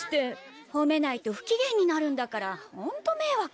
ほめないと不機嫌になるんだからホントめいわく。